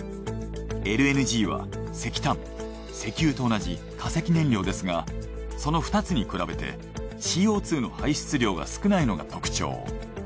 ＬＮＧは石炭石油と同じ化石燃料ですがその２つに比べてＣＯ２の排出量が少ないのが特徴。